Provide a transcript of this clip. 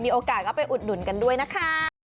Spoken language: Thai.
โอกาสก็ไปอุดหนุนกันด้วยนะคะ